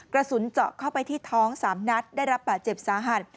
กระสุนเจาะเข้าไปที่ท้อง๓นัดได้รับบาดเจ็บสาหัส